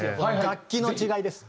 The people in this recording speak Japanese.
楽器の違いです。